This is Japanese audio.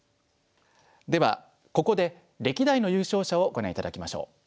ではここで歴代の優勝者をご覧頂きましょう。